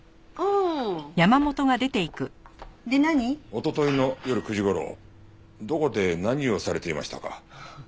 おとといの夜９時頃どこで何をされていましたか？